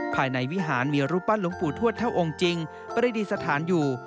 ภายในวิหารมีรูปปั้นหลวงปู่ทวดเท่าองค์จริงประดิษฐานอยู่